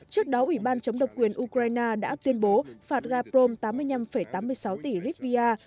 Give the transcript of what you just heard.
trước đó ủy ban chống độc quyền ukraine đã tuyên bố phạt gaprom tám mươi năm tám mươi sáu tỷ ritvia